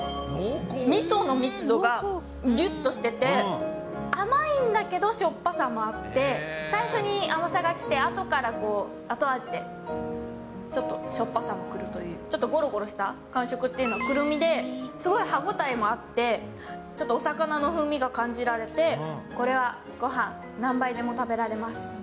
みその密度がぎゅっとしてて、甘いんだけど、しょっぱさもあって、最初に甘さが来て、あとからこう、後味でちょっとしょっぱさも来るという、ちょっとごろごろした感触というのか、くるみで、すごい歯応えもあって、ちょっとお魚の風味が感じられて、これはごはん、何杯でも食べられます。